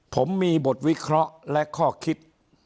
ผมมีบทวิเคราะห์และข้อคิด